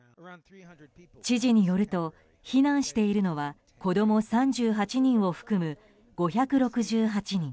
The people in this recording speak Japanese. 知事によると、避難しているのは子供３８人を含む５６８人。